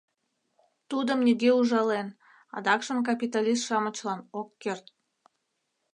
— Тудым нигӧ ужален, адакшым капиталист-шамычлан, ок керт.